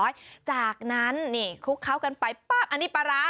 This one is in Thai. ได้เข้ากันเรียบร้อยจากนั้นนี่คลุกเข้ากันไปป๊ะอันนี้ปลาร้า